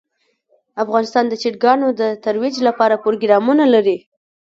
افغانستان د چرګان د ترویج لپاره پروګرامونه لري.